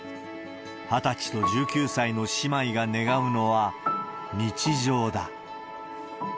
２０歳と１９歳の姉妹が願うのは、日常だ。